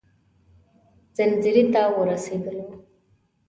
سنځري ته ورسېدلو.